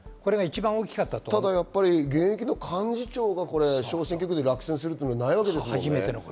ただ、現役の幹事長が小選挙区で落選することはないわけですよね。